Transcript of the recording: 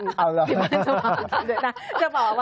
ที่บ้านเจ้าบ่าวจะกลายมากด้วยนะ